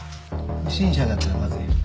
不審者だったらまずいよ。